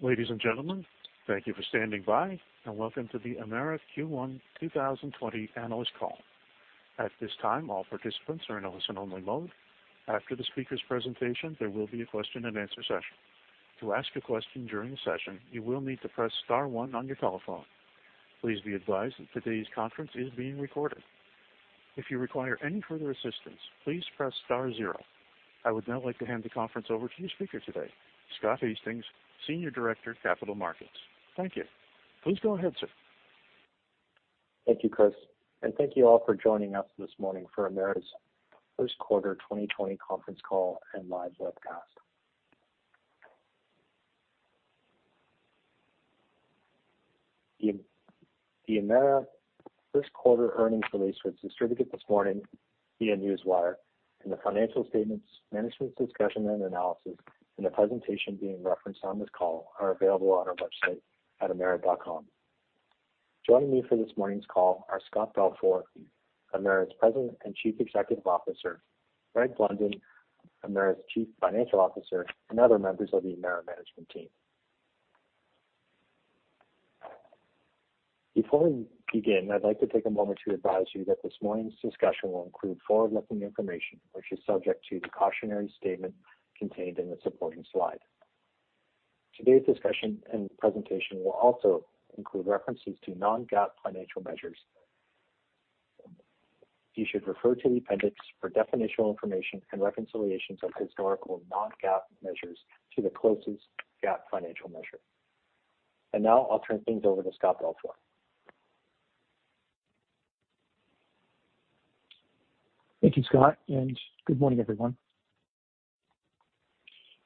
Ladies and gentlemen, Thank you for standing by, and welcome to the Emera Q1 2020 Analyst Call. At this time, all participants are in listen-only mode. After the speaker's presentation, there will be a question-and-answer session. To ask a question during the session, you will need to press star one on your telephone. Please be advised that today's conference is being recorded. If you require any further assistance, please press star zero. I would now like to hand the conference over to your speaker today, Scott Hastings, Senior Director of Capital Markets. Thank you. Please go ahead, sir. Thank you, Chris, and thank you all for joining us this morning for Emera's first quarter 2020 conference call and live webcast. The Emera first quarter earnings release was distributed this morning via Newswire, and the financial statements, Management's Discussion and Analysis and the presentation being referenced on this call are available on our website at emera.com. Joining me for this morning's call are Scott Balfour, Emera's President and Chief Executive Officer, Greg Blunden, Emera's Chief Financial Officer, and other members of the Emera management team. Before we begin, I'd like to take a moment to advise you that this morning's discussion will include forward-looking information, which is subject to the cautionary statement contained in the supporting slide. Today's discussion and presentation will also include references to non-GAAP financial measures. You should refer to the appendix for definitional information and reconciliations of historical non-GAAP measures to the closest GAAP financial measure. Now I'll turn things over to Scott Balfour. Thank you, Scott, and good morning, everyone.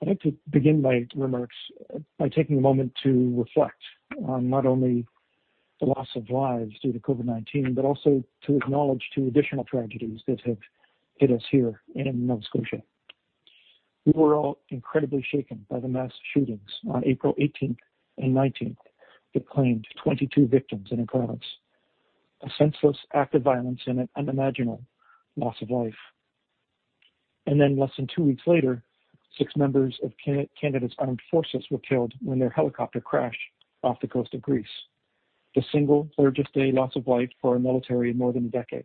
I'd like to begin my remarks by taking a moment to reflect on not only the loss of lives due to COVID-19, but also to acknowledge two additional tragedies that have hit us here in Nova Scotia. We were all incredibly shaken by the mass shootings on April 18th and 19th that claimed 22 victims in a province. A senseless act of violence and an unimaginable loss of life. Less than two weeks later, six members of Canada's Armed Forces were killed when their helicopter crashed off the coast of Greece. The single largest day loss of life for our military in more than a decade.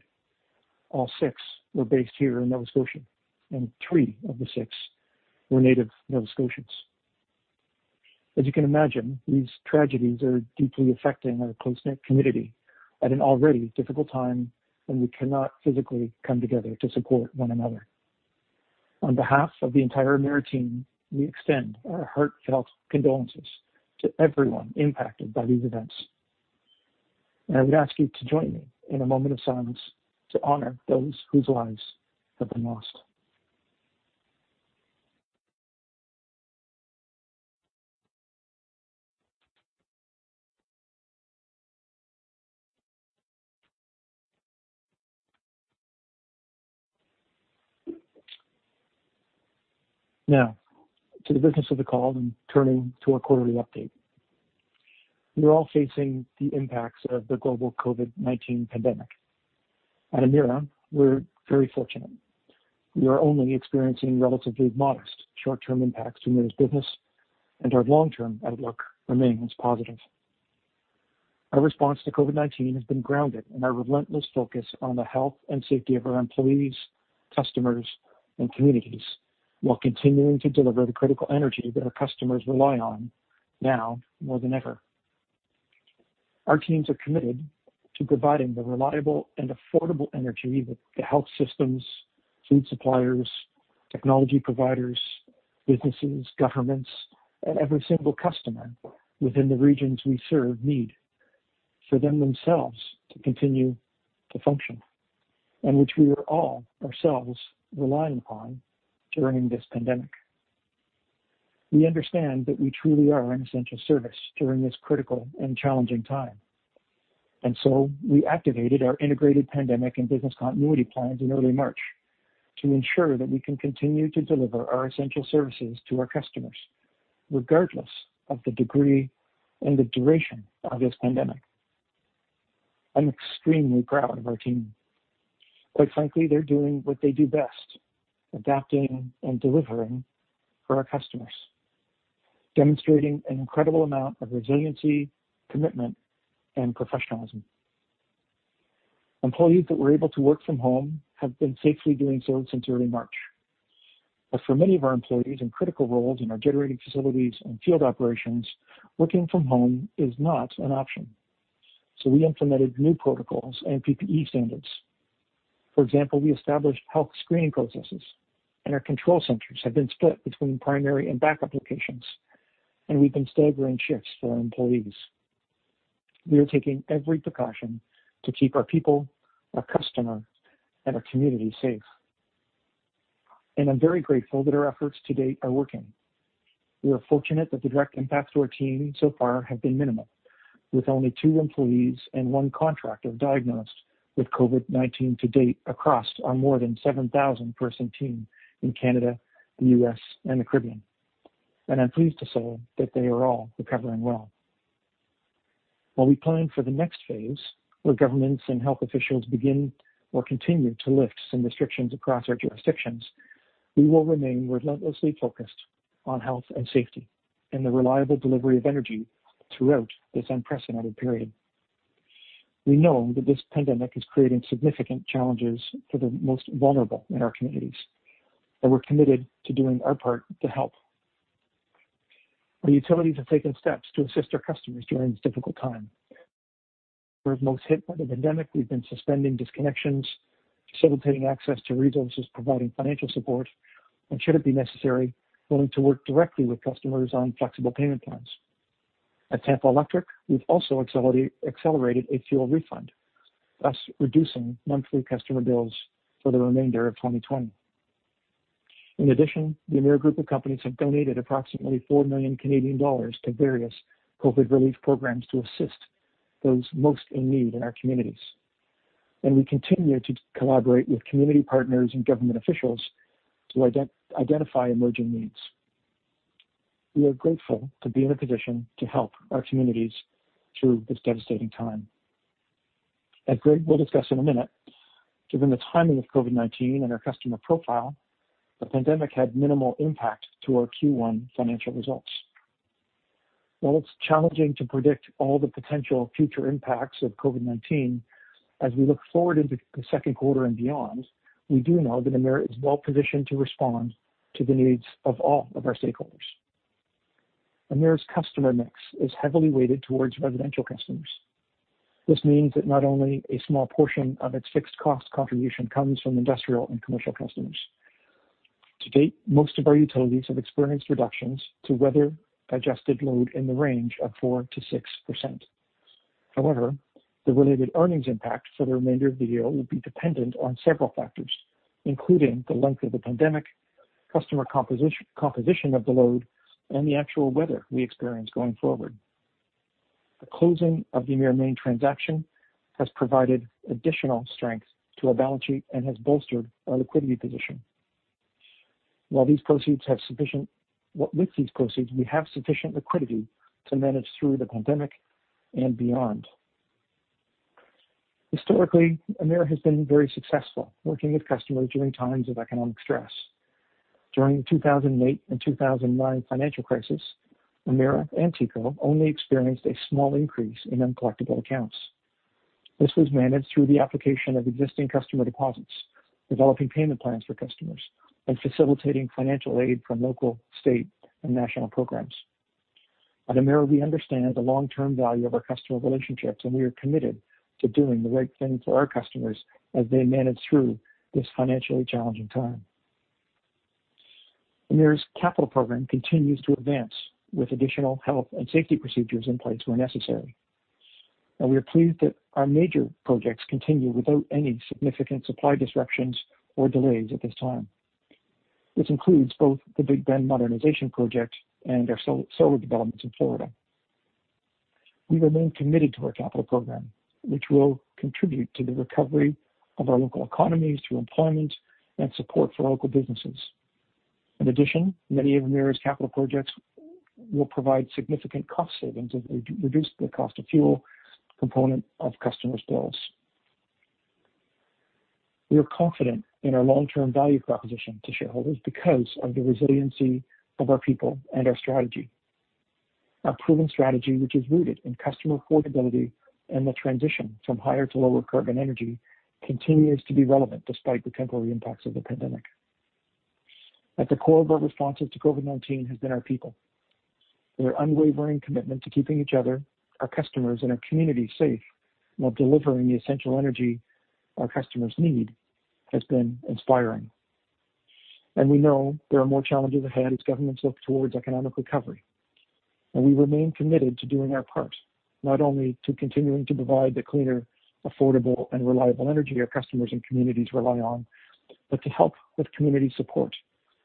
All six were based here in Nova Scotia, and three of the six were native Nova Scotians. As you can imagine, these tragedies are deeply affecting our close-knit community at an already difficult time when we cannot physically come together to support one another. On behalf of the entire Emera team, we extend our heartfelt condolences to everyone impacted by these events. I would ask you to join me in a moment of silence to honor those whose lives have been lost. Now to the business of the call and turning to our quarterly update. We are all facing the impacts of the global COVID-19 pandemic. At Emera, we're very fortunate. We are only experiencing relatively modest short-term impacts to Emera's business, and our long-term outlook remains positive. Our response to COVID-19 has been grounded in our relentless focus on the health and safety of our employees, customers, and communities, while continuing to deliver the critical energy that our customers rely on, now more than ever. Our teams are committed to providing the reliable and affordable energy that the health systems, food suppliers, technology providers, businesses, governments, and every single customer within the regions we serve need for them themselves to continue to function, and which we are all ourselves reliant upon during this pandemic. We understand that we truly are an essential service during this critical and challenging time. We activated our integrated pandemic and business continuity plans in early March to ensure that we can continue to deliver our essential services to our customers, regardless of the degree and the duration of this pandemic. I'm extremely proud of our team. Quite frankly, they're doing what they do best, adapting and delivering for our customers, demonstrating an incredible amount of resiliency, commitment, and professionalism. Employees that were able to work from home have been safely doing so since early March. For many of our employees in critical roles in our generating facilities and field operations, working from home is not an option. We implemented new protocols and PPE standards. For example, we established health screening processes, and our control centers have been split between primary and backup locations, and we've been staggering shifts for our employees. We are taking every precaution to keep our people, our customers, and our communities safe. I'm very grateful that our efforts to date are working. We are fortunate that the direct impacts to our team so far have been minimal, with only two employees and one contractor diagnosed with COVID-19 to date across our more than 7,000-person team in Canada, the U.S., and the Caribbean. I'm pleased to say that they are all recovering well. While we plan for the next phase, where governments and health officials begin or continue to lift some restrictions across our jurisdictions, we will remain relentlessly focused on health and safety and the reliable delivery of energy throughout this unprecedented period. We know that this pandemic is creating significant challenges for the most vulnerable in our communities, and we're committed to doing our part to help. Our utilities have taken steps to assist our customers during this difficult time. Where most hit by the pandemic, we've been suspending disconnections, facilitating access to resources, providing financial support, and should it be necessary, willing to work directly with customers on flexible payment plans. At Tampa Electric, we've also accelerated a fuel refund, thus reducing monthly customer bills for the remainder of 2020. The Emera group of companies have donated approximately 4 million Canadian dollars to various COVID-19 relief programs to assist those most in need in our communities. We continue to collaborate with community partners and government officials to identify emerging needs. We are grateful to be in a position to help our communities through this devastating time. As Greg will discuss in a minute, given the timing of COVID-19 and our customer profile, the pandemic had minimal impact to our Q1 financial results. While it's challenging to predict all the potential future impacts of COVID-19, as we look forward into the second quarter and beyond, we do know that Emera is well-positioned to respond to the needs of all of our stakeholders. Emera's customer mix is heavily weighted towards residential customers. This means that not only a small portion of its fixed cost contribution comes from industrial and commercial customers. To date, most of our utilities have experienced reductions to weather-adjusted load in the range of 4% to 6%. However, the related earnings impact for the remainder of the year will be dependent on several factors, including the length of the pandemic, customer composition of the load, and the actual weather we experience going forward. The closing of the Emera Maine transaction has provided additional strength to our balance sheet and has bolstered our liquidity position. With these proceeds, we have sufficient liquidity to manage through the pandemic and beyond. Historically, Emera has been very successful working with customers during times of economic stress. During the 2008 and 2009 financial crisis, Emera and TECO only experienced a small increase in uncollectible accounts. This was managed through the application of existing customer deposits, developing payment plans for customers, and facilitating financial aid from local, state, and national programs. At Emera, we understand the long-term value of our customer relationships, and we are committed to doing the right thing for our customers as they manage through this financially challenging time. Emera's capital program continues to advance with additional health and safety procedures in place where necessary. We are pleased that our major projects continue without any significant supply disruptions or delays at this time. This includes both the Big Bend modernization project and our solar developments in Florida. We remain committed to our capital program, which will contribute to the recovery of our local economies, to employment, and support for local businesses. In addition, many of Emera's capital projects will provide significant cost savings as they reduce the cost of fuel component of customers' bills. We are confident in our long-term value proposition to shareholders because of the resiliency of our people and our strategy. Our proven strategy, which is rooted in customer affordability and the transition from higher to lower carbon energy, continues to be relevant despite the temporary impacts of the pandemic. At the core of our responses to COVID-19 has been our people. Their unwavering commitment to keeping each other, our customers, and our community safe while delivering the essential energy our customers need has been inspiring. We know there are more challenges ahead as governments look towards economic recovery. We remain committed to doing our part, not only to continuing to provide the cleaner, affordable, and reliable energy our customers and communities rely on, but to help with community support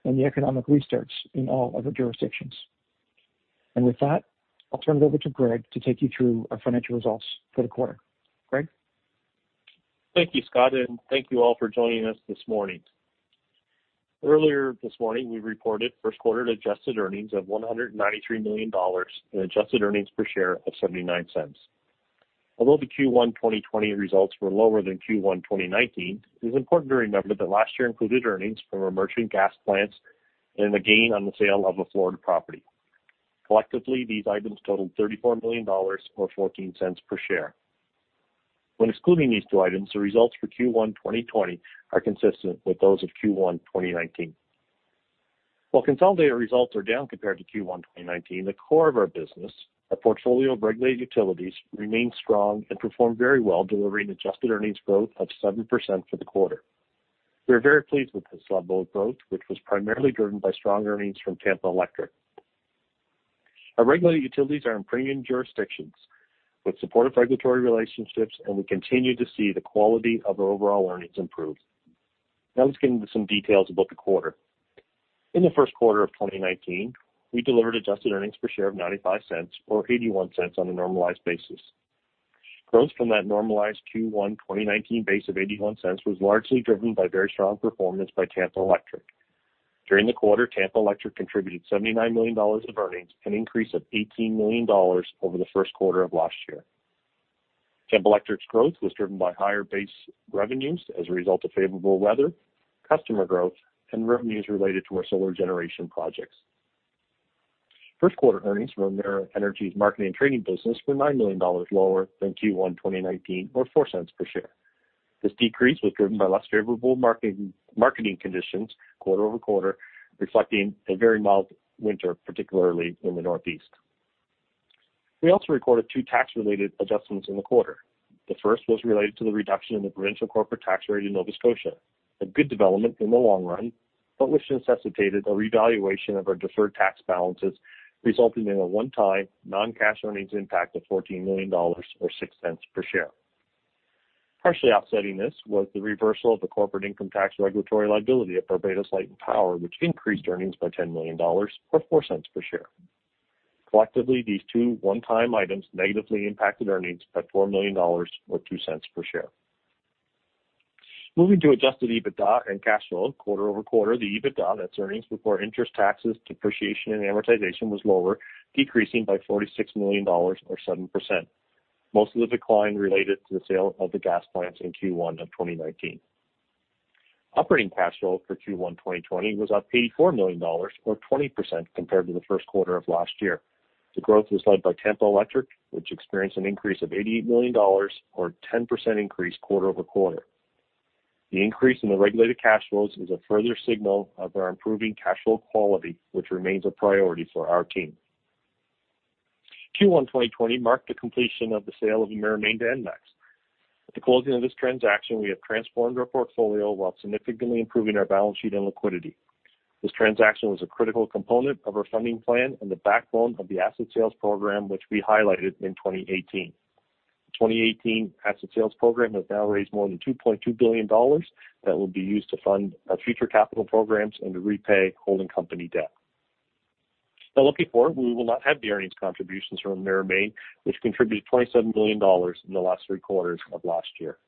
and the economic restarts in all of our jurisdictions. With that, I'll turn it over to Greg to take you through our financial results for the quarter. Greg? Thank you, Scott, and thank you all for joining us this morning. Earlier this morning, we reported first quarter adjusted earnings of 193 million dollars and adjusted earnings per share of 0.79. The Q1 2020 results were lower than Q1 2019, it is important to remember that last year included earnings from our merchant gas plants and a gain on the sale of a Florida property. Collectively, these items totaled 34 million dollars or 0.14 per share. When excluding these two items, the results for Q1 2020 are consistent with those of Q1 2019. Consolidated results are down compared to Q1 2019, the core of our business, our portfolio of regulated utilities, remained strong and performed very well, delivering adjusted earnings growth of 7% for the quarter. We are very pleased with this level of growth, which was primarily driven by strong earnings from Tampa Electric. Our regulated utilities are in premium jurisdictions with supportive regulatory relationships. We continue to see the quality of our overall earnings improve. Let's get into some details about the quarter. In the first quarter of 2019, we delivered adjusted earnings per share of 0.95 or 0.81 on a normalized basis. Growth from that normalized Q1 2019 base of 0.81 was largely driven by very strong performance by Tampa Electric. During the quarter, Tampa Electric contributed 79 million dollars of earnings, an increase of 18 million dollars over the first quarter of last year. Tampa Electric's growth was driven by higher base revenues as a result of favorable weather, customer growth, and revenues related to our solar generation projects. First quarter earnings from Emera Energy's marketing and trading business were 9 million dollars lower than Q1 2019 or 0.04 per share. This decrease was driven by less favorable marketing conditions quarter-over-quarter, reflecting a very mild winter, particularly in the Northeast. We also recorded two tax-related adjustments in the quarter. The first was related to the reduction in the provincial corporate tax rate in Nova Scotia. A good development in the long run, but which necessitated a revaluation of our deferred tax balances, resulting in a one-time non-cash earnings impact of 14 million dollars or 0.06 per share. Partially offsetting this was the reversal of the corporate income tax regulatory liability at Barbados Light & Power, which increased earnings by 10 million dollars or 0.04 per share. Collectively, these two one-time items negatively impacted earnings by 4 million dollars or 0.02 per share. Moving to adjusted EBITDA and cash flow. Quarter-over-quarter, the EBITDA, that's earnings before interest, taxes, depreciation, and amortization, was lower, decreasing by 46 million dollars or 7%. Most of the decline related to the sale of the gas plants in Q1 2019. Operating cash flow for Q1 2020 was up 84 million dollars or 20% compared to the first quarter of last year. The growth was led by Tampa Electric, which experienced an increase of 88 million dollars or 10% increase quarter-over-quarter. The increase in the regulated cash flows is a further signal of our improving cash flow quality, which remains a priority for our team. Q1 2020 marked the completion of the sale of Emera Maine to ENMAX. At the closing of this transaction, we have transformed our portfolio while significantly improving our balance sheet and liquidity. This transaction was a critical component of our funding plan and the backbone of the asset sales program, which we highlighted in 2018. The 2018 asset sales program has now raised more than 2.2 billion dollars that will be used to fund our future capital programs and to repay holding company debt. Looking forward, we will not have the earnings contributions from Emera Maine, which contributed 27 million dollars in the last three quarters of last year.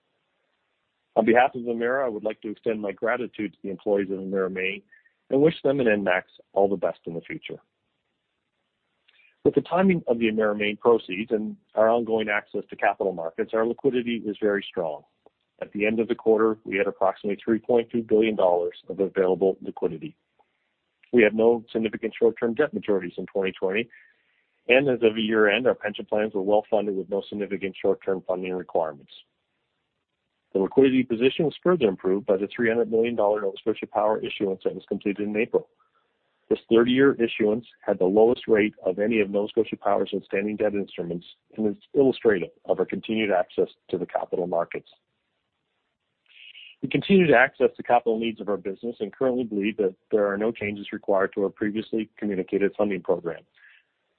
On behalf of Emera, I would like to extend my gratitude to the employees of Emera Maine and wish them and ENMAX all the best in the future. With the timing of the Emera Maine proceeds and our ongoing access to capital markets, our liquidity is very strong. At the end of the quarter, we had approximately 3.2 billion dollars of available liquidity. We have no significant short-term debt maturities in 2020, and as of year-end, our pension plans were well-funded with no significant short-term funding requirements. The liquidity position was further improved by the 300 million dollar Nova Scotia Power issuance that was completed in April. This 30-year issuance had the lowest rate of any of Nova Scotia Power's outstanding debt instruments and is illustrative of our continued access to the capital markets. We continue to access the capital needs of our business and currently believe that there are no changes required to our previously communicated funding program.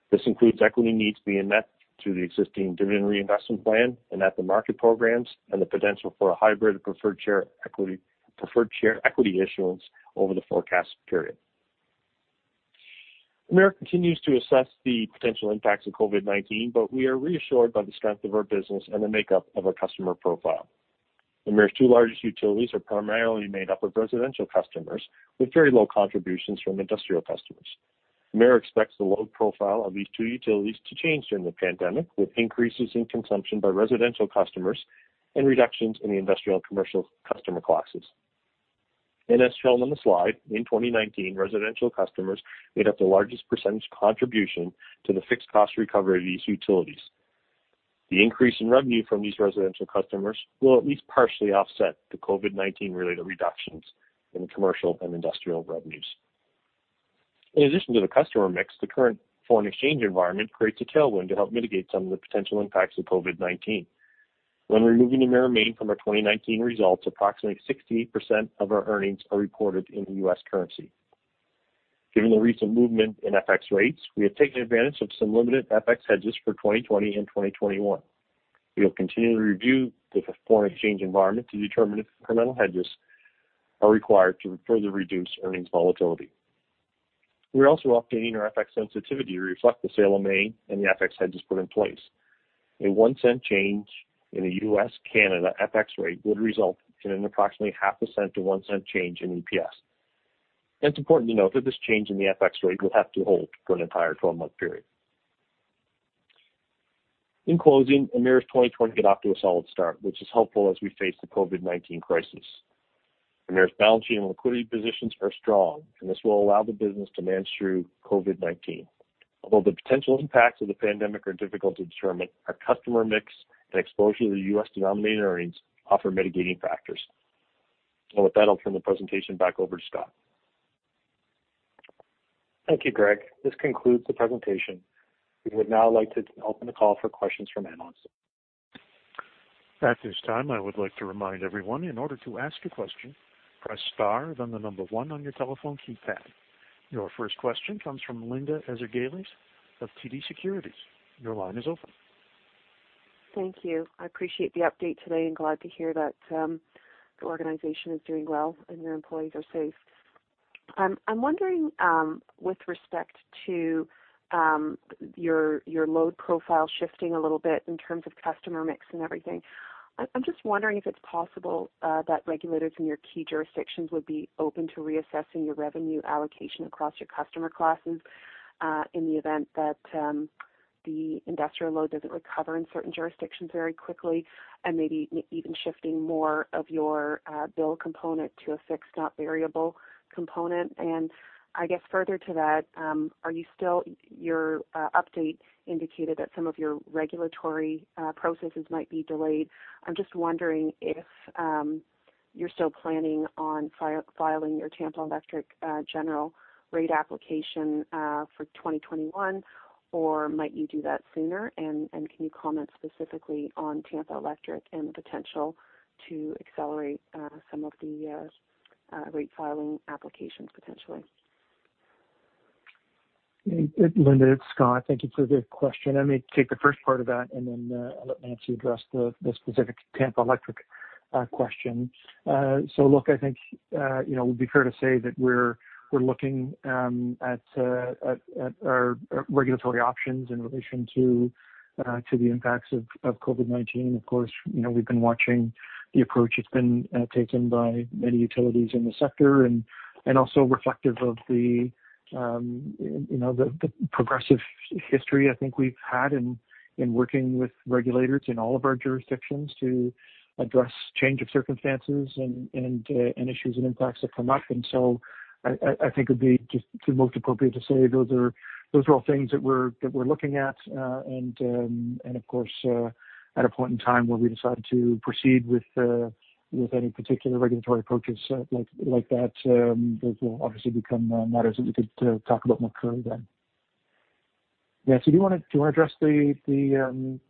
This includes equity needs being met through the existing dividend reinvestment plan and at-the-market programs and the potential for a hybrid preferred share equity issuance over the forecast period. Emera continues to assess the potential impacts of COVID-19. We are reassured by the strength of our business and the makeup of our customer profile. Emera's two largest utilities are primarily made up of residential customers with very low contributions from industrial customers. Emera expects the load profile of these two utilities to change during the pandemic, with increases in consumption by residential customers and reductions in the industrial and commercial customer classes. As shown on the slide, in 2019, residential customers made up the largest percentage contribution to the fixed cost recovery of these utilities. The increase in revenue from these residential customers will at least partially offset the COVID-19-related reductions in the commercial and industrial revenues. In addition to the customer mix, the current foreign exchange environment creates a tailwind to help mitigate some of the potential impacts of COVID-19. When removing Emera Maine from our 2019 results, approximately 68% of our earnings are reported in the US currency. Given the recent movement in FX rates, we have taken advantage of some limited FX hedges for 2020 and 2021. We will continue to review the foreign exchange environment to determine if incremental hedges are required to further reduce earnings volatility. We are also updating our FX sensitivity to reflect the sale of Maine and the FX hedges put in place. A 0.01 change in the US-Canada FX rate would result in an approximately half a cent to 0.01 change in EPS. It's important to note that this change in the FX rate would have to hold for an entire 12-month period. In closing, Emera's 2020 got off to a solid start, which is helpful as we face the COVID-19 crisis. Emera's balance sheet and liquidity positions are strong. This will allow the business to manage through COVID-19. Although the potential impacts of the pandemic are difficult to determine, our customer mix and exposure to U.S.-denominated earnings offer mitigating factors. With that, I'll turn the presentation back over to Scott. Thank you, Greg. This concludes the presentation. We would now like to open the call for questions from analysts. At this time, I would like to remind everyone, in order to ask a question, press star then the number one on your telephone keypad. Your first question comes from Linda Ezergailis of TD Securities. Your line is open. Thank you. I appreciate the update today and glad to hear that the organization is doing well and your employees are safe. I'm wondering with respect to your load profile shifting a little bit in terms of customer mix and everything. I'm just wondering if it's possible that regulators in your key jurisdictions would be open to reassessing your revenue allocation across your customer classes, in the event that the industrial load doesn't recover in certain jurisdictions very quickly, and maybe even shifting more of your bill component to a fixed not variable component. I guess further to that, your update indicated that some of your regulatory processes might be delayed. I'm just wondering if you're still planning on filing your Tampa Electric general rate application for 2021, or might you do that sooner? Can you comment specifically on Tampa Electric and the potential to accelerate some of the rate filing applications potentially? Linda, it's Scott. Thank you for the question. Let me take the first part of that, and then I'll let Nancy address the specific Tampa Electric question. Look, I think, it would be fair to say that we're looking at our regulatory options in relation to the impacts of COVID-19. Of course, we've been watching the approach that's been taken by many utilities in the sector, and also reflective of the progressive history I think we've had in working with regulators in all of our jurisdictions to address change of circumstances and issues and impacts that come up. I think it would be just most appropriate to say those are all things that we're looking at. Of course, at a point in time where we decide to proceed with any particular regulatory approaches like that, those will obviously become matters that we could talk about more clearly then. Nancy, do you want to address the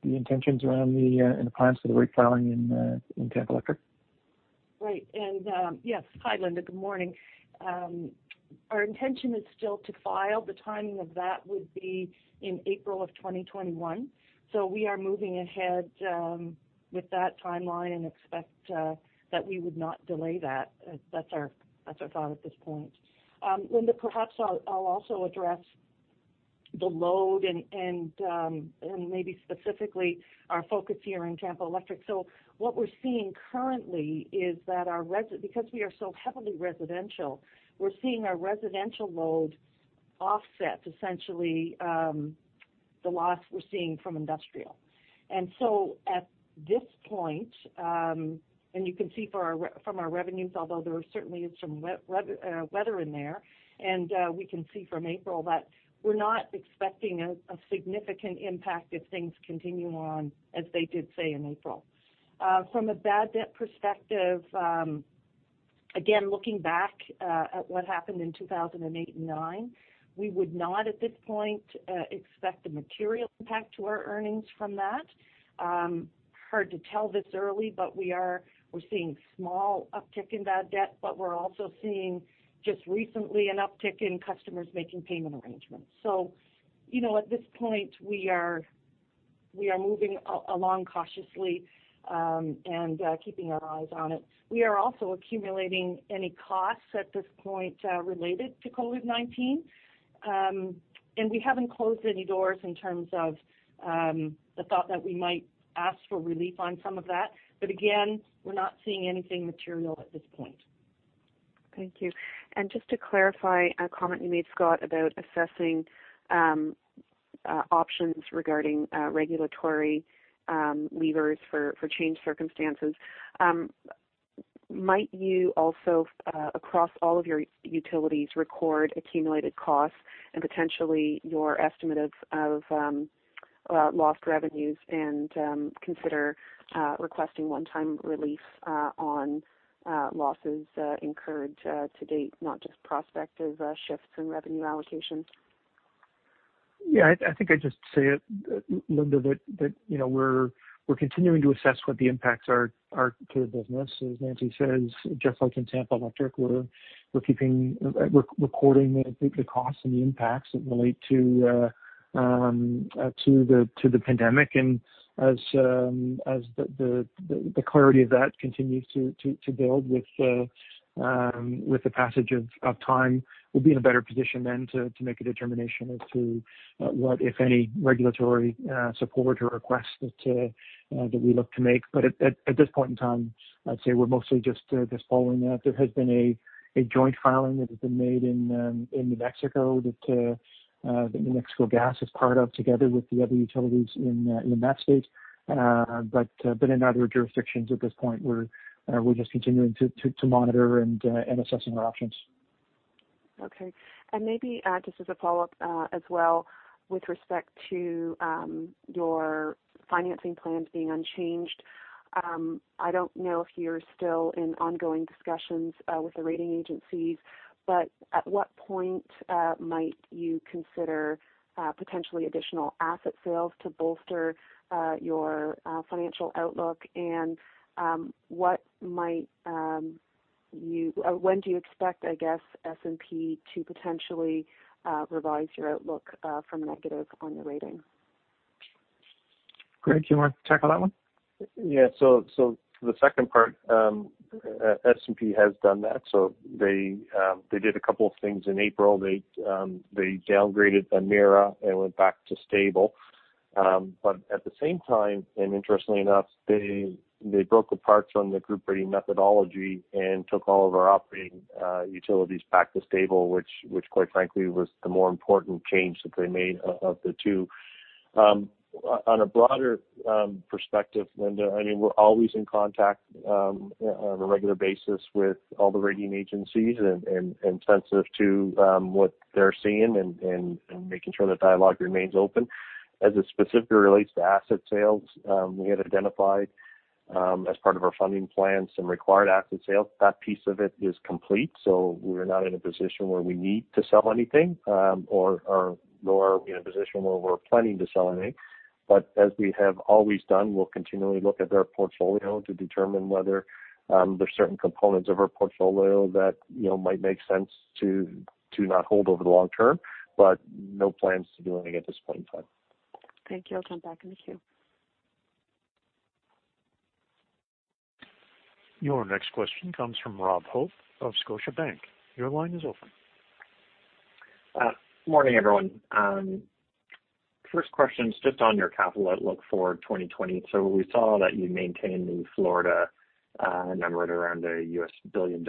intentions and the plans for the rate filing in Tampa Electric? Right. Yes. Hi, Linda. Good morning. Our intention is still to file. The timing of that would be in April of 2021. We are moving ahead with that timeline and expect that we would not delay that. That's our thought at this point. Linda, perhaps I'll also address the load and maybe specifically our focus here in Tampa Electric. What we're seeing currently is that because we are so heavily residential, we're seeing our residential load offset essentially the loss we're seeing from industrial. At this point, and you can see from our revenues, although there certainly is some weather in there, and we can see from April that we're not expecting a significant impact if things continue on as they did, say, in April. From a bad debt perspective, again, looking back at what happened in 2008 and 2009, we would not, at this point, expect a material impact to our earnings from that. Hard to tell this early, but we're seeing small uptick in bad debt, but we're also seeing just recently an uptick in customers making payment arrangements. At this point, we are moving along cautiously and keeping our eyes on it. We are also accumulating any costs at this point related to COVID-19. We haven't closed any doors in terms of the thought that we might ask for relief on some of that. Again, we're not seeing anything material at this point. Thank you. Just to clarify a comment you made, Scott, about assessing options regarding regulatory levers for changed circumstances. Might you also, across all of your utilities, record accumulated costs and potentially your estimate of lost revenues and consider requesting one-time relief on losses incurred to date, not just prospective shifts in revenue allocation? I think I'd just say it, Linda, that we're continuing to assess what the impacts are to the business. As Nancy says, just like in Tampa Electric, we're recording the costs and the impacts that relate to the pandemic. As the clarity of that continues to build with the passage of time, we'll be in a better position then to make a determination as to what, if any, regulatory support or request that we look to make. At this point in time, I'd say we're mostly just following that. There has been a joint filing that has been made in New Mexico that New Mexico Gas is part of together with the other utilities in that state. In other jurisdictions at this point, we're just continuing to monitor and assessing our options. Okay. Maybe just as a follow-up as well with respect to your financing plans being unchanged. I don't know if you're still in ongoing discussions with the rating agencies, but at what point might you consider potentially additional asset sales to bolster your financial outlook? When do you expect, I guess, S&P to potentially revise your outlook from negative on the rating? Greg, do you want to tackle that one? Yeah. The second part, S&P has done that. They did a couple of things in April. They downgraded Emera and went back to stable. At the same time, and interestingly enough, they broke apart on the group rating methodology and took all of our operating utilities back to stable, which quite frankly, was the more important change that they made of the two. On a broader perspective, Linda, we're always in contact on a regular basis with all the rating agencies and sensitive to what they're seeing and making sure that dialogue remains open. As it specifically relates to asset sales, we had identified, as part of our funding plan, some required asset sales. That piece of it is complete, we're not in a position where we need to sell anything, or we're in a position where we're planning to sell anything. As we have always done, we'll continually look at our portfolio to determine whether there's certain components of our portfolio that might make sense to not hold over the long term. No plans to do anything at this point in time. Thank you. I'll come back in the queue. Your next question comes from Rob Hope of Scotiabank. Your line is open. Morning, everyone. First question is just on your capital outlook for 2020. We saw that you maintained the Florida number at around $1 billion.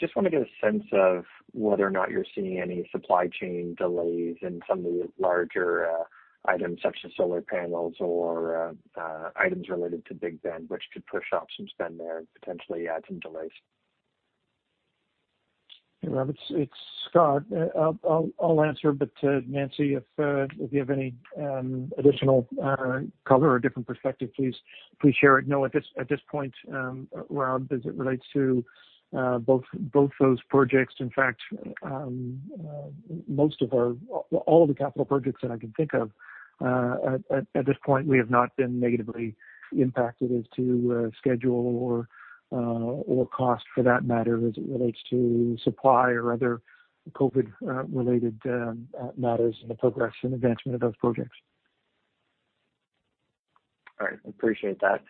Just want to get a sense of whether or not you're seeing any supply chain delays in some of the larger items, such as solar panels or items related to Big Bend, which could push up some spend there and potentially add some delays. Hey, Rob. It's Scott. I'll answer, but Nancy, if you have any additional color or different perspective, please share it. No, at this point, Rob, as it relates to both those projects, in fact, all of the capital projects that I can think of at this point, we have not been negatively impacted as to schedule or cost for that matter, as it relates to supply or other COVID-related matters in the progress and advancement of those projects. All right, appreciate that.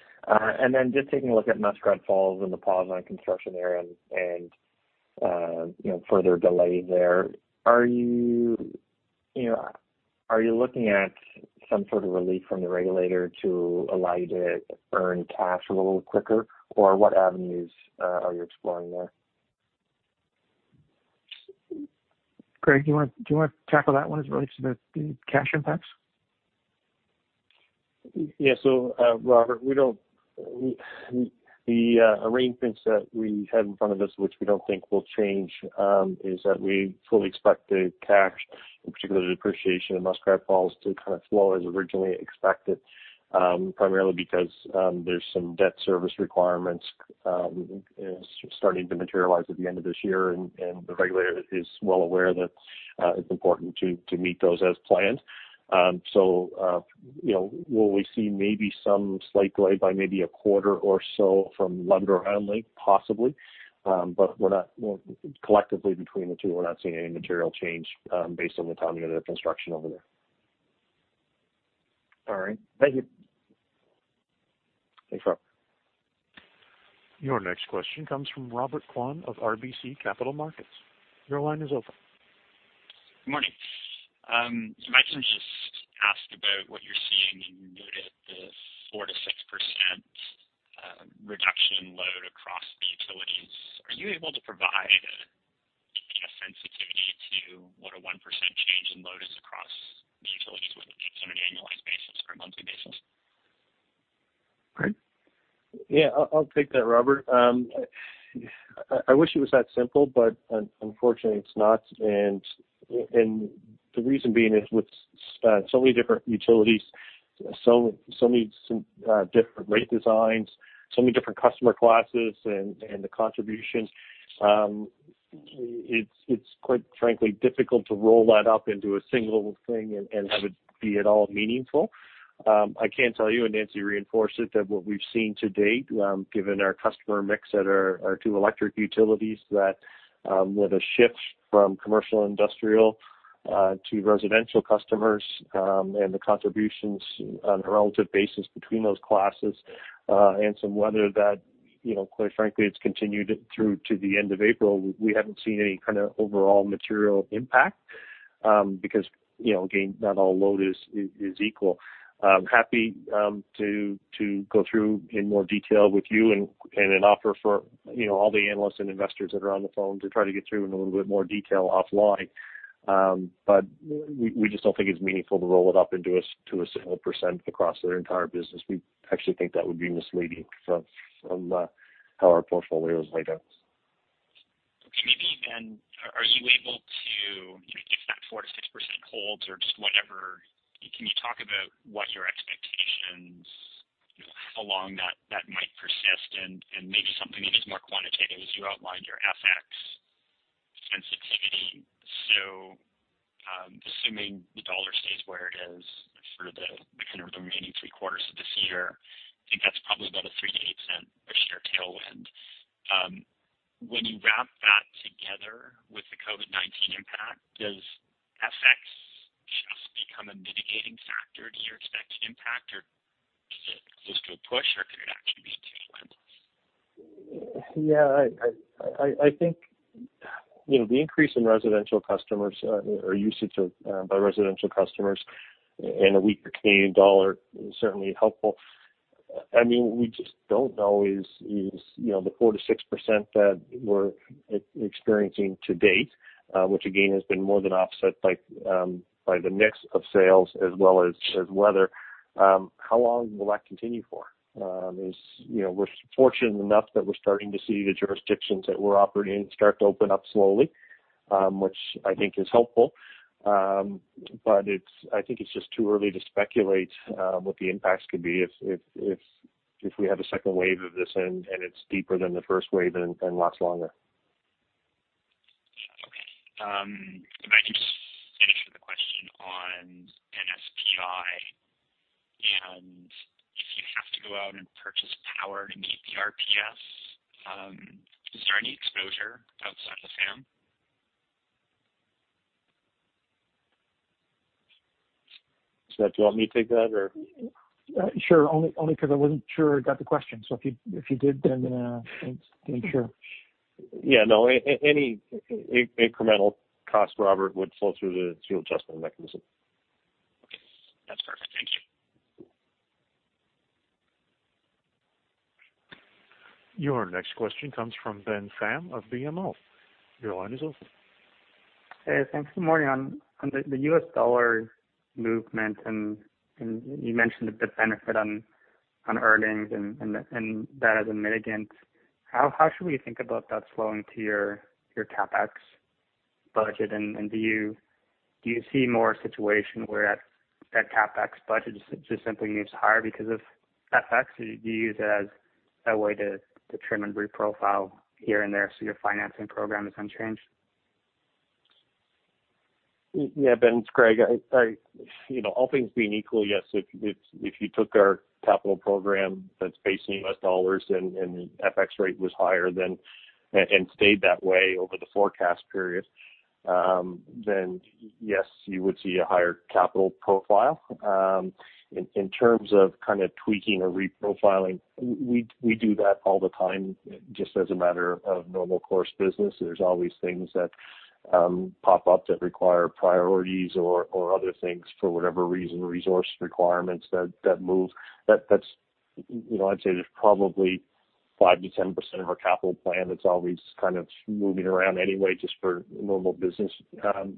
Just taking a look at Muskrat Falls and the pause on construction there and further delay there. Are you looking at some sort of relief from the regulator to allow you to earn cash a little quicker? What avenues are you exploring there? Greg, do you want to tackle that one as it relates to the cash impacts? Robert, the arrangements that we have in front of us, which we don't think will change, is that we fully expect the cash, in particular the depreciation of Muskrat Falls, to kind of flow as originally expected. Primarily because there's some debt service requirements starting to materialize at the end of this year, and the regulator is well aware that it's important to meet those as planned. Will we see maybe some slight delay by maybe a quarter or so from Labrador-Island Link? Possibly. Collectively between the two, we're not seeing any material change based on the timing of the construction over there. All right. Thank you. Thanks, Rob. Your next question comes from Robert Kwan of RBC Capital Markets. Your line is open. Good morning. You might have just asked about what you're seeing, and you noted the 4%-6% reduction load across the utilities. Are you able to provide a sensitivity to what a 1% change in load is across the utilities on an annualized basis or a monthly basis? Greg? Yeah, I'll take that, Robert. I wish it was that simple, but unfortunately it's not. The reason being is with so many different utilities, so many different rate designs, so many different customer classes and the contributions, it's quite frankly difficult to roll that up into a single thing and have it be at all meaningful. I can tell you, and Nancy reinforce it, that what we've seen to date, given our customer mix at our two electric utilities, that with a shift from commercial industrial to residential customers, and the contributions on a relative basis between those classes, and some weather that, quite frankly, it's continued through to the end of April, we haven't seen any kind of overall material impact. Again, not all load is equal. Happy to go through in more detail with you and offer for all the analysts and investors that are on the phone to try to get through in a little bit more detail offline. We just don't think it's meaningful to roll it up into a single % across our entire business. We actually think that would be misleading from how our portfolio is laid out. Are you able to, if that 4%-6% holds or just whatever, can you talk about what your expectations, how long that might persist and maybe something that is more quantitative, as you outlined your FX sensitivity. Assuming the dollar stays where it is for the kind of remaining three quarters of this year, I think that's probably about a $0.03-$0.08 per share tailwind. When you wrap that together with the COVID-19 impact, does FX just become a mitigating factor to your expected impact, or is it just a push, or could it actually be a tailwind? Yeah, I think the increase in residential customers or usage by residential customers and a weaker Canadian dollar is certainly helpful. We just don't know is the 4%-6% that we're experiencing to date, which again, has been more than offset by the mix of sales as well as weather, how long will that continue for? We're fortunate enough that we're starting to see the jurisdictions that we're operating in start to open up slowly, which I think is helpful. I think it's just too early to speculate what the impacts could be if we have a second wave of this, and it's deeper than the first wave and lasts longer. Okay. If I could finish with a question on NSPI. If you have to go out and purchase power to meet the RPS, is there any exposure outside of the SAM? Scott, Do you want me to take that, or? Sure. Only because I wasn't sure I got the question. If you did, then thanks. Make sure. Yeah, no, any incremental cost, Robert, would flow through the fuel adjustment mechanism. Okay. That's perfect. Thank you. Your next question comes from Ben Pham of BMO. Your line is open. Hey, thanks. Good morning. On the US dollar movement, and you mentioned a bit benefit on earnings and that as a mitigant. How should we think about that flowing to your CapEx budget, and do you see more a situation where that CapEx budget just simply moves higher because of FX? Do you use it as a way to trim and re-profile here and there, so your financing program is unchanged? Yeah, Ben, it's Greg. All things being equal, yes, if you took our capital program that's based in US dollars and the FX rate was higher and stayed that way over the forecast period, then yes, you would see a higher capital profile. In terms of tweaking or re-profiling, we do that all the time just as a matter of normal course business. There's always things that pop up that require priorities or other things for whatever reason, resource requirements that move. I'd say there's probably 5%-10% of our capital plan that's always moving around anyway, just for normal business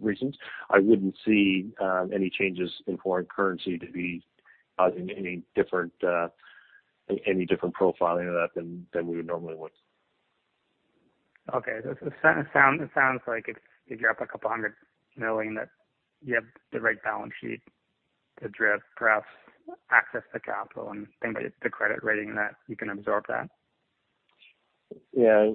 reasons. I wouldn't see any changes in foreign currency to be causing any different profiling of that than we would normally would. Okay. It sounds like if you're up a couple of hundred million, that you have the right balance sheet to perhaps access the capital and think that the credit rating you can absorb that. Yeah.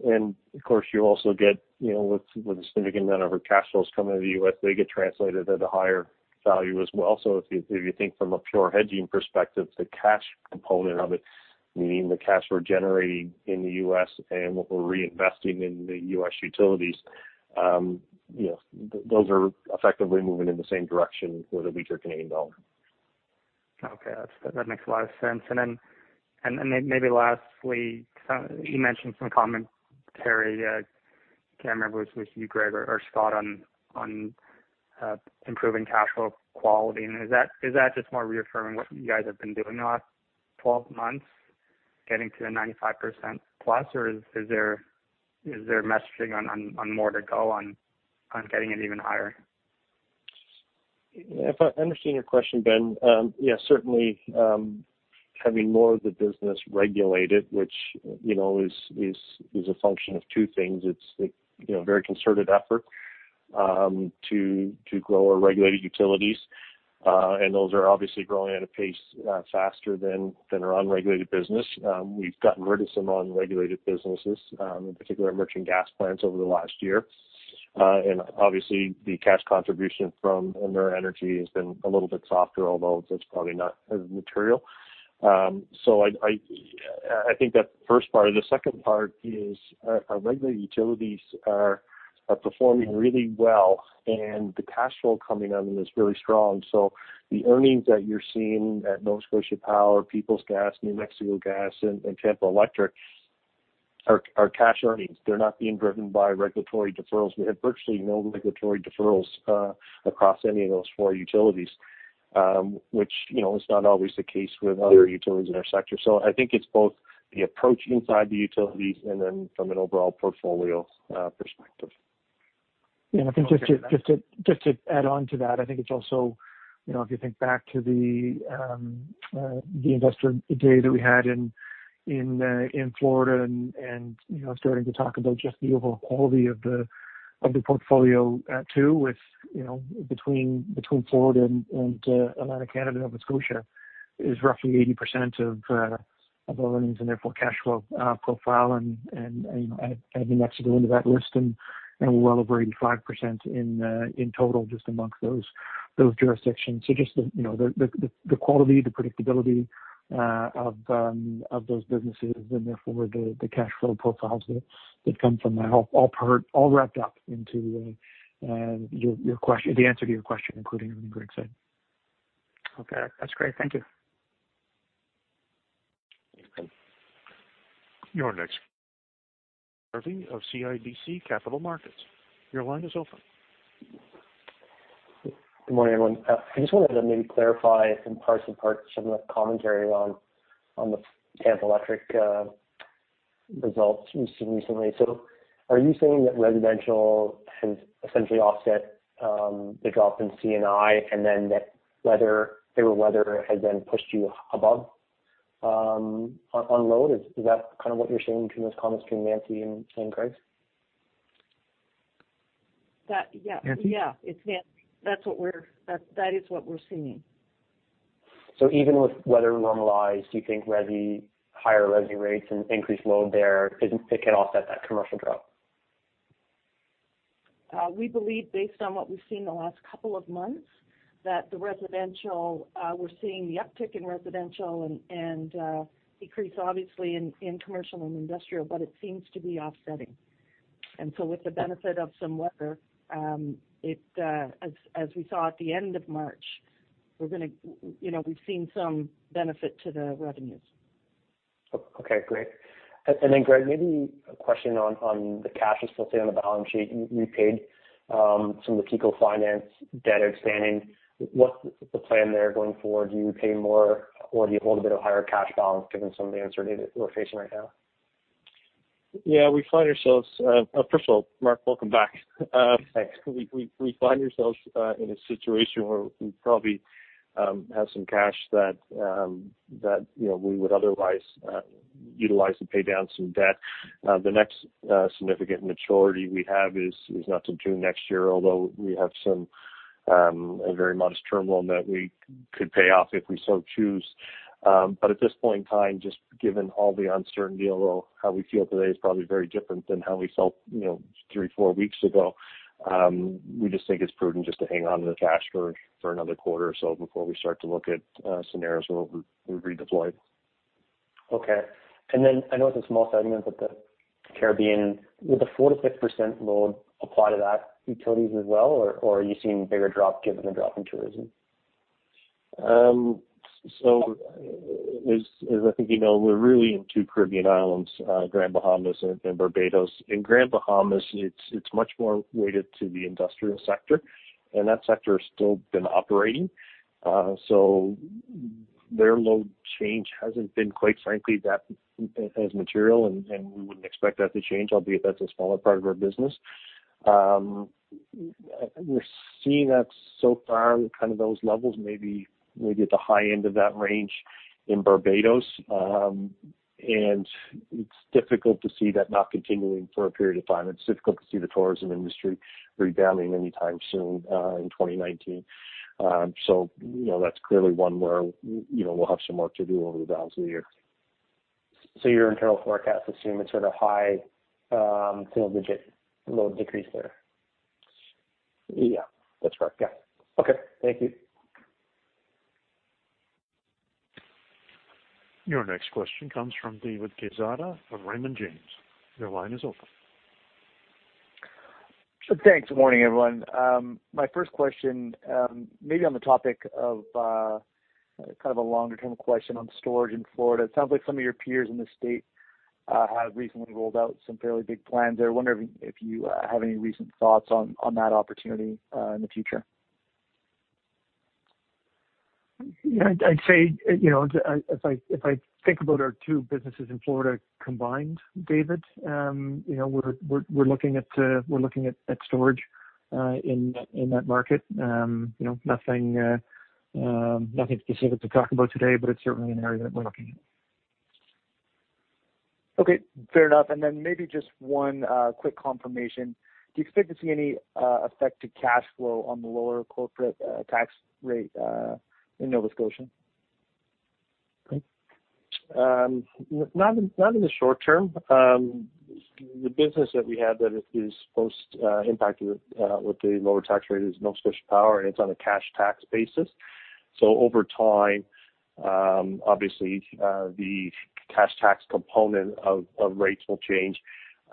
Of course, you also get, with the significant amount of our cash flows coming to the U.S., they get translated at a higher value as well. If you think from a pure hedging perspective, the cash component of it, meaning the cash we're generating in the U.S. and what we're reinvesting in the U.S. utilities, those are effectively moving in the same direction with a weaker Canadian dollar. Okay. That makes a lot of sense. Maybe lastly, you mentioned some comments, I really can't remember if it was you, Greg or Scott, on improving cash flow quality. Is that just more reaffirming what you guys have been doing the last 12 months, getting to the 95% plus? Is there messaging on more to go on getting it even higher? If I understand your question, Ben, yeah, certainly, having more of the business regulated, which is a function of two things. It's a very concerted effort to grow our regulated utilities. Those are obviously growing at a pace faster than our unregulated business. We've gotten rid of some unregulated businesses, in particular merchant gas plants over the last year. Obviously, the cash contribution from Emera Energy has been a little bit softer, although that's probably not as material. I think that's the first part. The second part is our regulated utilities are performing really well, and the cash flow coming on is really strong. The earnings that you're seeing at Nova Scotia Power, Peoples Gas, New Mexico Gas, and Tampa Electric are cash earnings. They're not being driven by regulatory deferrals. We have virtually no regulatory deferrals across any of those four utilities, which is not always the case with other utilities in our sector. I think it's both the approach inside the utilities and then from an overall portfolio perspective. Yeah, I think just to add on to that, I think it's also, if you think back to the investor day that we had in Florida and starting to talk about just the overall quality of the portfolio too. Between Florida and Atlantic Canada, Nova Scotia, is roughly 80% of our earnings and, therefore, cash flow profile. Add New Mexico into that list, and we're well over 85% in total just amongst those jurisdictions. Just the quality, the predictability of those businesses and therefore the cash flow profiles that come from that all wrapped up into the answer to your question, including everything Greg said. Okay. That's great. Thank you. Your next, Jarvi of CIBC Capital Markets. Your line is open. Good morning, everyone. I just wanted to maybe clarify some parts of the commentary on the Tampa Electric results recently. Are you saying that residential has essentially offset the drop in C&I and then that favorable weather has then pushed you above on load? Is that kind of what you're saying between those comments between Nancy and Greg? That, yeah. Yeah. It's Nancy. That is what we're seeing. Even with weather normalized, do you think higher resi rates and increased load there, it can offset that commercial drop? We believe based on what we've seen the last couple of months, that the residential, we're seeing the uptick in residential and decrease obviously in commercial and industrial, but it seems to be offsetting. With the benefit of some weather, as we saw at the end of March, we've seen some benefit to the revenues. Okay, great. Then Greg, maybe a question on the cash flow, say, on the balance sheet. You paid some of the TECO Finance debt expanding. What's the plan there going forward? Do you pay more or do you hold a bit of higher cash balance given some of the uncertainty that we're facing right now? Yeah, First of all, Mark, welcome back. Thanks. We find ourselves in a situation where we probably have some cash that we would otherwise utilize to pay down some debt. The next significant maturity we have is not till June next year, although we have a very modest term loan that we could pay off if we so choose. But at this point in time, just given all the uncertainty, although how we feel today is probably very different than how we felt three, four weeks ago. We just think it's prudent just to hang on to the cash for another quarter or so before we start to look at scenarios where we'll redeploy. Okay. I know it's a small segment, but the Caribbean, would the 4% to 6% load apply to that utilities as well or are you seeing a bigger drop given the drop in tourism? As I think you know, we're really in two Caribbean islands, Grand Bahama and Barbados. In Grand Bahama, it's much more weighted to the industrial sector, and that sector has still been operating. Their load change hasn't been, quite frankly, that as material, and we wouldn't expect that to change, albeit that's a smaller part of our business. We're seeing that so far, kind of those levels maybe at the high end of that range in Barbados. It's difficult to see that not continuing for a period of time. It's difficult to see the tourism industry rebounding anytime soon in 2019. That's clearly one where we'll have some work to do over the balance of the year. Your internal forecasts assume it's at a high single-digit load decrease there? Yeah. That's correct. Yeah. Okay. Thank you. Your next question comes from David Quezada of Raymond James. Your line is open. Thanks. Good morning, everyone. My first question maybe on the topic of kind of a longer-term question on storage in Florida. It sounds like some of your peers in the state have recently rolled out some fairly big plans there. I wonder if you have any recent thoughts on that opportunity in the future. Yeah, I'd say, if I think about our two businesses in Florida combined, David, we're looking at storage in that market. Nothing specific to talk about today, but it's certainly an area that we're looking at. Okay. Fair enough. Maybe just one quick confirmation. Do you expect to see any effect to cash flow on the lower corporate tax rate in Nova Scotia? Not in the short term. The business that we have that is most impacted with the lower tax rate is Nova Scotia Power, and it's on a cash tax basis. Over time, obviously, the cash tax component of rates will change.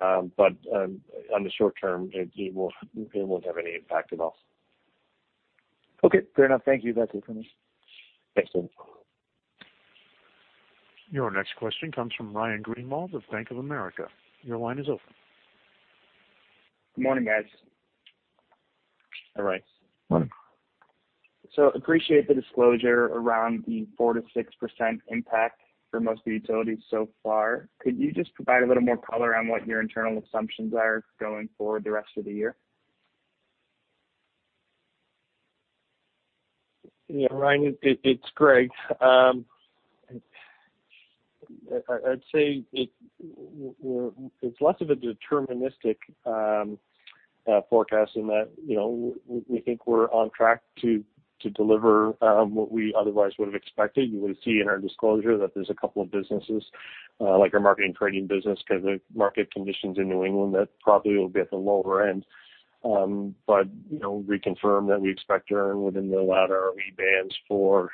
On the short term, it won't have any impact at all. Okay. Fair enough. Thank you. That's it for me. Thanks, David. Your next question comes from Ryan Greenwald of Bank of America. Your line is open. Good morning, guys. Hi, Ryan. Morning. Appreciate the disclosure around the 4%-6% impact for most of the utilities so far. Could you just provide a little more color on what your internal assumptions are going forward the rest of the year? Yeah, Ryan, it's Greg. I'd say it's less of a deterministic forecasting that we think we're on track to deliver what we otherwise would have expected. You would see in our disclosure that there's a couple of businesses, like our market and trading business because of market conditions in New England, that probably will be at the lower end. We confirm that we expect to earn within the allowed ROE bands for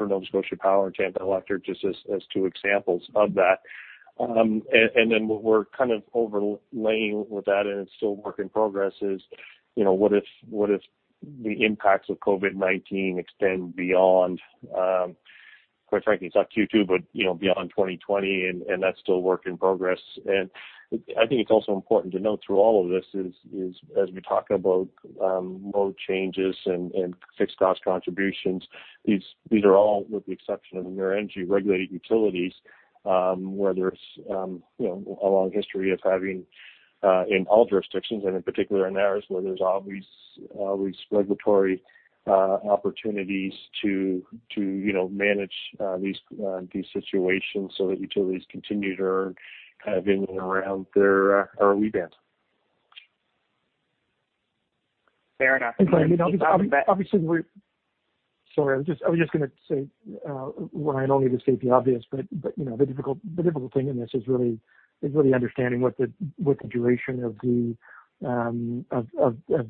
Nova Scotia Power and Tampa Electric, just as two examples of that. What we're kind of overlaying with that, and it's still a work in progress, is what if the impacts of COVID-19 extend beyond, quite frankly, it's not Q2, but beyond 2020, and that's still a work in progress. I think it's also important to note through all of this is, as we talk about load changes and fixed cost contributions, these are all, with the exception of Emera Energy regulated utilities, where there's a long history of having, in all jurisdictions and in particular in ours, where there's always regulatory opportunities to manage these situations so that utilities continue to earn in and around their ROE band. Fair enough. Greg, obviously Sorry, I was just going to say, Ryan, only to state the obvious, but the difficult thing in this is really understanding what the duration of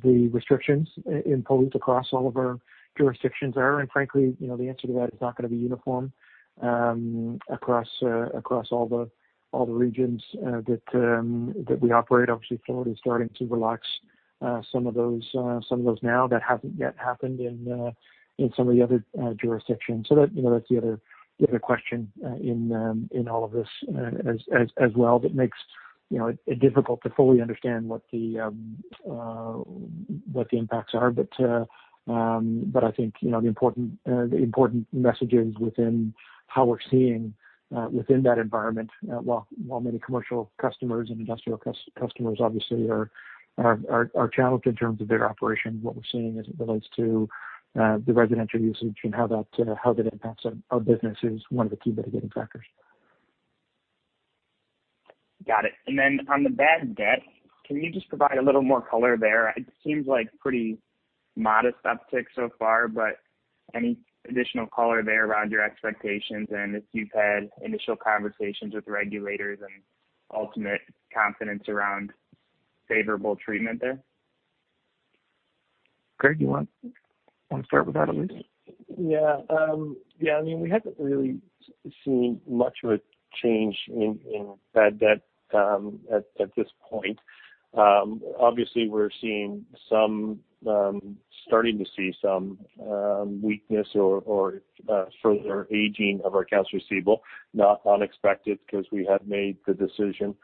the restrictions imposed across all of our jurisdictions are. Frankly, the answer to that is not going to be uniform across all the regions that we operate. Obviously, Florida is starting to relax some of those now that haven't yet happened in some of the other jurisdictions. That's the other question in all of this as well that makes it difficult to fully understand what the impacts are. I think, the important message is within how we're seeing within that environment, while many commercial customers and industrial customers obviously are challenged in terms of their operation, what we're seeing as it relates to the residential usage and how that impacts our business is one of the key mitigating factors. Got it. On the bad debt, can you just provide a little more color there? It seems like pretty modest uptick so far, any additional color there around your expectations and if you've had initial conversations with regulators and ultimate confidence around favorable treatment there? Greg, you want to start with that at least? We haven't really seen much of a change in bad debt at this point. Obviously, we're starting to see some weakness or further aging of our accounts receivable. Not unexpected because we have made the decision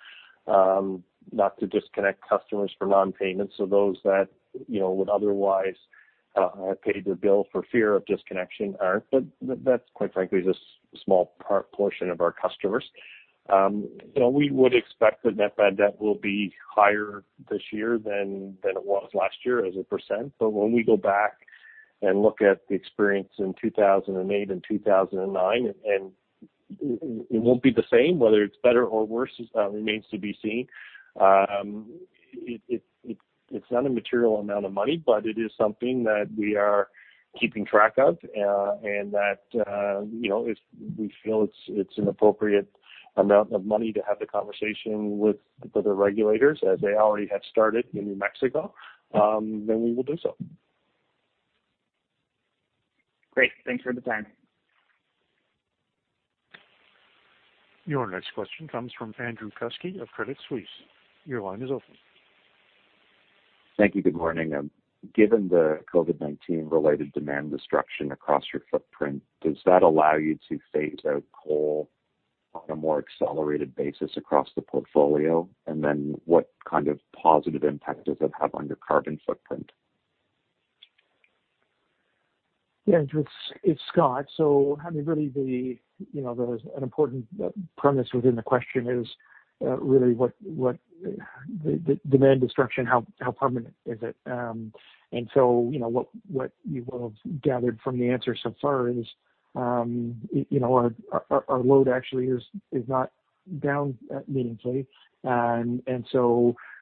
not to disconnect customers for non-payment. Those that would otherwise have paid their bill for fear of disconnection aren't. That's, quite frankly, just a small portion of our customers. We would expect that net bad debt will be higher this year than it was last year as a %. When we go back and look at the experience in 2008 and 2009, and it won't be the same, whether it's better or worse remains to be seen. It's not a material amount of money, but it is something that we are keeping track of and that if we feel it's an appropriate amount of money to have the conversation with the regulators as they already have started in New Mexico, then we will do so. Great. Thanks for the time. Your next question comes from Andrew Kuske of Credit Suisse. Your line is open. Thank you. Good morning. Given the COVID-19 related demand destruction across your footprint, does that allow you to phase out coal on a more accelerated basis across the portfolio? What kind of positive impact does that have on your carbon footprint? Yeah, Andrew. It's Scott. I mean, really an important premise within the question is really what the demand destruction, how permanent is it?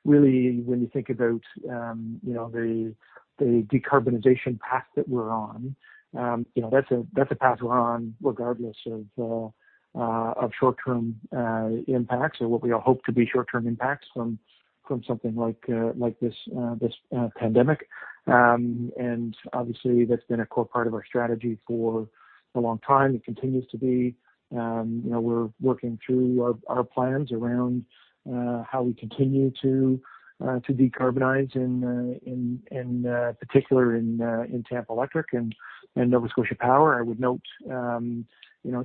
Really when you think about the decarbonization path that we're on, that's a path we're on regardless of short-term impacts or what we all hope to be short-term impacts from something like this pandemic. Obviously, that's been a core part of our strategy for a long time. It continues to be. We're working through our plans around how we continue to decarbonize in particular in Tampa Electric and Nova Scotia Power. I would note,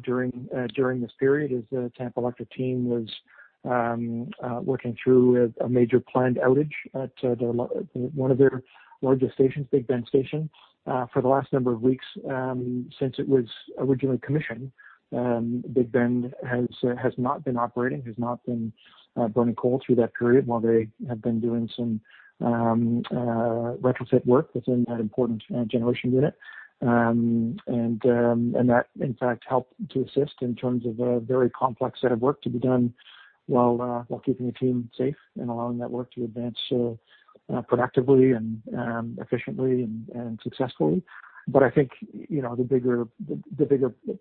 during this period is the Tampa Electric team was working through a major planned outage at one of their largest stations, Big Bend Station. For the last number of weeks since it was originally commissioned Big Bend has not been operating, has not been burning coal through that period while they have been doing some retrofit work within that important generation unit. That in fact, helped to assist in terms of a very complex set of work to be done, while keeping the team safe and allowing that work to advance productively and efficiently, and successfully. I think the bigger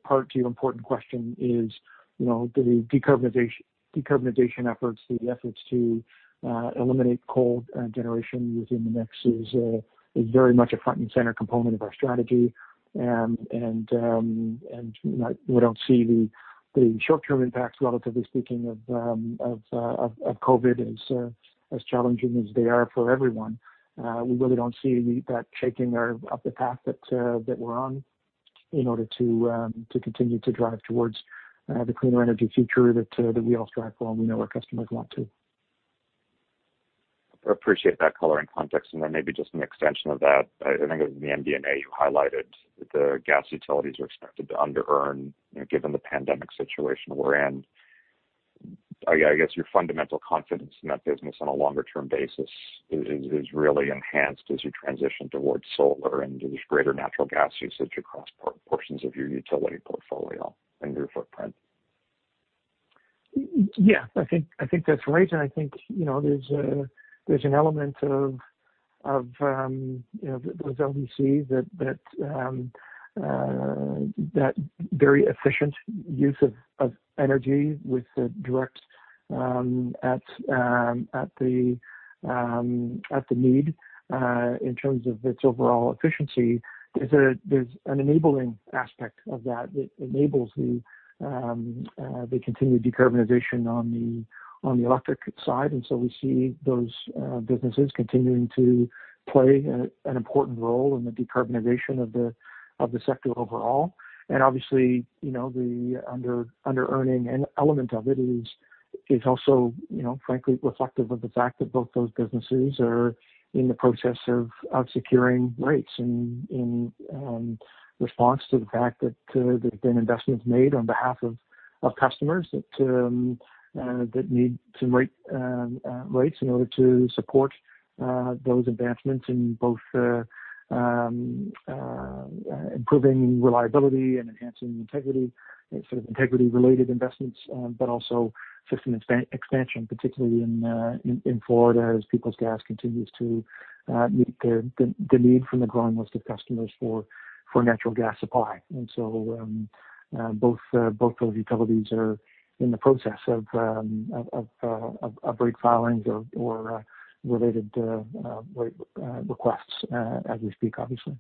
part to your important question is the decarbonization efforts, the efforts to eliminate coal generation within the mix is very much a front-and-center component of our strategy. We don't see the short-term impacts, relatively speaking, of COVID as challenging as they are for everyone. We really don't see that shaking up the path that we're on in order to continue to drive towards the cleaner energy future that we all strive for, and we know our customers want too. I appreciate that color and context, then maybe just an extension of that. I think it was in the MD&A you highlighted the gas utilities are expected to under-earn given the pandemic situation we're in. I guess your fundamental confidence in that business on a longer-term basis is really enhanced as you transition towards solar and there's greater natural gas usage across portions of your utility portfolio and your footprint. Yeah. I think that's right. I think there's an element of those LDCs that very efficient use of energy with the direct at the need in terms of its overall efficiency, there's an enabling aspect of that enables the continued decarbonization on the electric side. We see those businesses continuing to play an important role in the decarbonization of the sector overall. Obviously, the under-earning element of it is also frankly reflective of the fact that both those businesses are in the process of securing rates in response to the fact that there's been investments made on behalf of customers that need some rates in order to support those advancements in both improving reliability and enhancing integrity, sort of integrity-related investments. Also system expansion, particularly in Florida as Peoples Gas continues to meet the need from the growing list of customers for natural gas supply. Both those utilities are in the process of rate filings or related rate requests as we speak, obviously.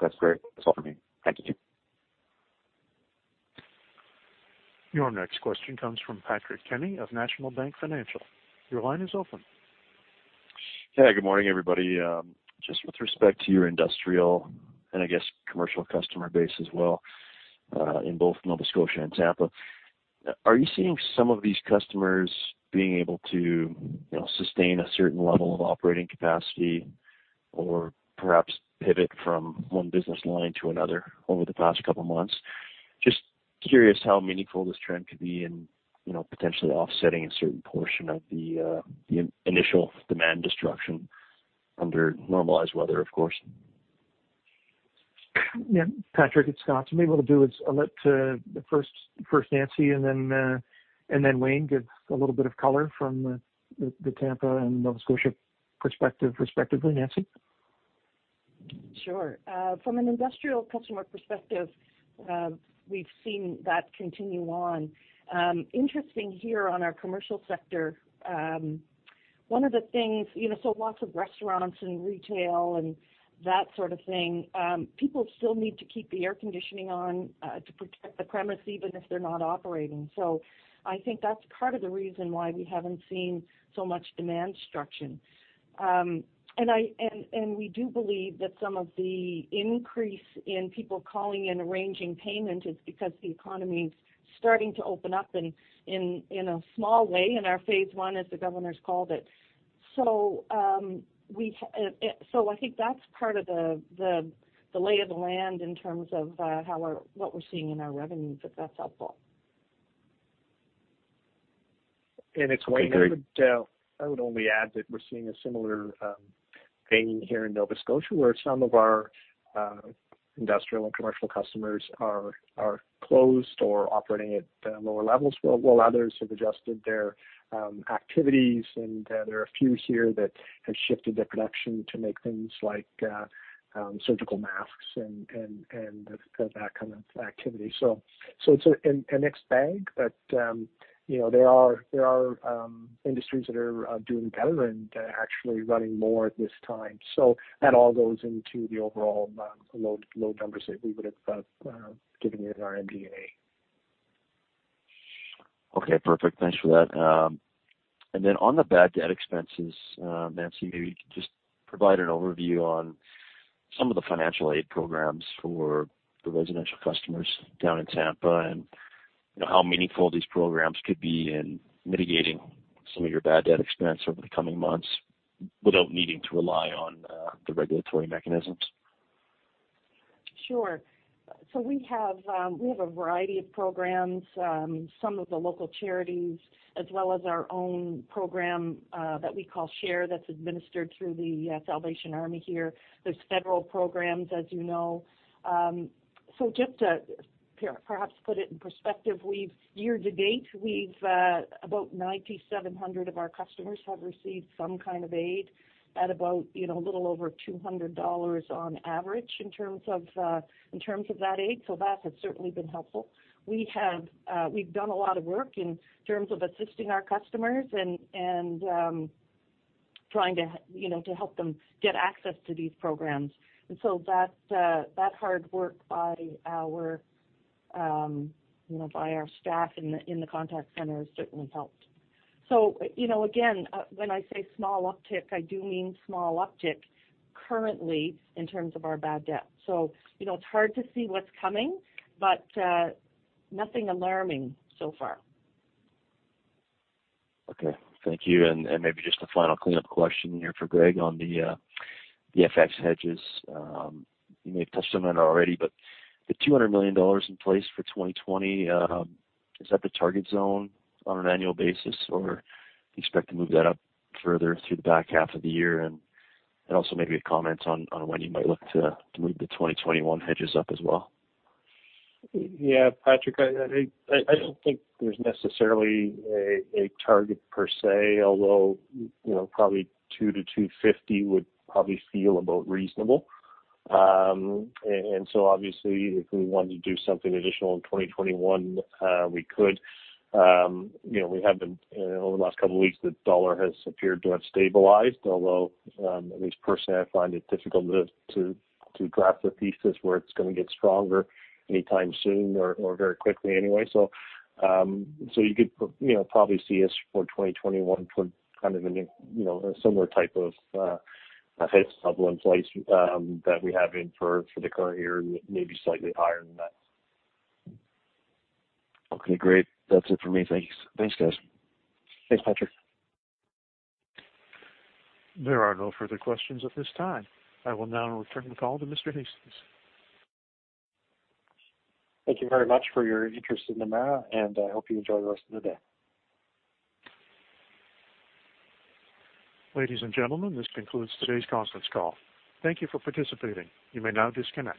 That's great. That's all for me. Thank you, Jim. Your next question comes from Patrick Kenny of National Bank Financial. Your line is open. Hey, good morning, everybody. Just with respect to your industrial and I guess commercial customer base as well, in both Nova Scotia and Tampa. Are you seeing some of these customers being able to sustain a certain level of operating capacity or perhaps pivot from one business line to another over the past couple of months? Just curious how meaningful this trend could be in potentially offsetting a certain portion of the initial demand destruction under normalized weather, of course. Yeah. Patrick, it's Scott. What I'm able to do is I'll let first Nancy and then Wayne give a little bit of color from the Tampa and Nova Scotia perspective respectively. Nancy? Sure. From an industrial customer perspective, we've seen that continue on. Interesting here on our commercial sector, lots of restaurants and retail and that sort of thing. People still need to keep the air conditioning on to protect the premise even if they're not operating. I think that's part of the reason why we haven't seen so much demand destruction. We do believe that some of the increase in people calling and arranging payment is because the economy's starting to open up in a small way in our phase 1, as the governor's called it. I think that's part of the lay of the land in terms of what we're seeing in our revenues, if that's helpful. Agreed. It's Wayne. I would only add that we're seeing a similar thing here in Nova Scotia, where some of our industrial and commercial customers are closed or operating at lower levels, while others have adjusted their activities. There are a few here that have shifted their production to make things like surgical masks and that kind of activity. It's a mixed bag. There are industries that are doing better and actually running more at this time. That all goes into the overall load numbers that we would have given you in our MD&A. Okay, perfect. Thanks for that. On the bad debt expenses, Nancy, maybe you could just provide an overview on some of the financial aid programs for the residential customers down in Tampa. How meaningful these programs could be in mitigating some of your bad debt expense over the coming months without needing to rely on the regulatory mechanisms. Sure. We have a variety of programs. Some of the local charities as well as our own program that we call Share, that's administered through The Salvation Army here. There's federal programs, as you know. Just to perhaps put it in perspective, year to date, about 9,700 of our customers have received some kind of aid at about a little over $ 200 on average in terms of that aid. That has certainly been helpful. We've done a lot of work in terms of assisting our customers and trying to help them get access to these programs. That hard work by our staff in the contact center has certainly helped. Again, when I say small uptick, I do mean small uptick currently in terms of our bad debt. It's hard to see what's coming, but nothing alarming so far. Okay. Thank you. Maybe just a final cleanup question here for Greg on the FX hedges. You may have touched on that already, but the 200 million dollars in place for 2020, is that the target zone on an annual basis, or do you expect to move that up further through the back half of the year? Also maybe a comment on when you might look to move the 2021 hedges up as well. Yeah, Patrick, I don't think there's necessarily a target per se, although probably 200 to 250 would probably feel about reasonable. obviously if we wanted to do something additional in 2021, we could. Over the last couple of weeks, the U.S. dollar has appeared to have stabilized, although at least personally, I find it difficult to grasp a thesis where it's going to get stronger anytime soon or very quickly anyway. You could probably see us for 2021 put kind of a similar type of a hedge level in place that we have in for the current year, and maybe slightly higher than that. Okay, great. That's it for me. Thanks. Thanks, guys. Thanks, Patrick. There are no further questions at this time. I will now return the call to Mr. Hastings. Thank you very much for your interest in Emera. I hope you enjoy the rest of the day. Ladies and gentlemen, this concludes today's conference call. Thank you for participating. You may now disconnect.